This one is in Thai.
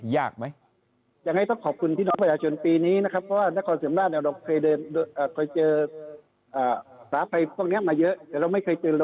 แย่กไหม